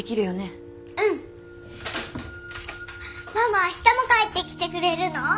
ママ明日も帰ってきてくれるの？